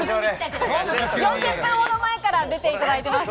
４０分ほど前から出ていただいてます。